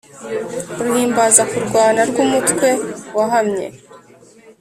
Ruhimbaza kurwana rw’umutwe wahamye